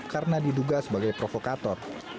karena diduga sebagai provokator